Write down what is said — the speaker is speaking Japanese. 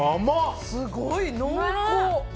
すごい濃厚！